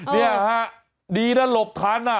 นี่ล่ะดีนะหลบครั้น